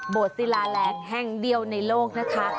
ศิลาแรงแห่งเดียวในโลกนะคะ